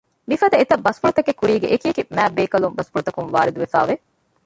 މިފަދަ އެތައް ބަސްފުޅުތަކެއް ކުރީގެ އެކިއެކި މާތްްބޭކަލުންގެ ބަސްފުޅުތަކުން ވާރިދުވެފައިވެ